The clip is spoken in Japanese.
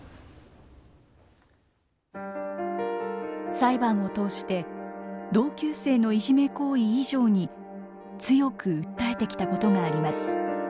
裁判を通して同級生のいじめ行為以上に強く訴えてきたことがあります。